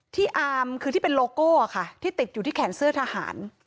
อามคือที่เป็นโลโก้ค่ะที่ติดอยู่ที่แขนเสื้อทหาร